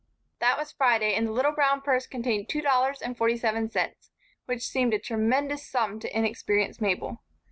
That was Friday, and the little brown purse contained two dollars and forty seven cents, which seemed a tremendous sum to inexperienced Mabel.